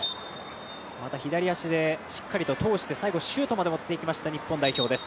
また左足でしっかりと通してシュートで、もっていきました日本代表です。